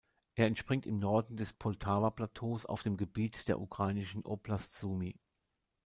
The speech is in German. Er entspringt im Norden des Poltawa-Plateaus auf dem Gebiet der ukrainischen Oblast Sumy.